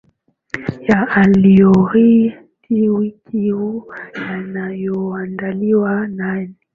ya yaliojiri wiki hii yanayoandaliwa nami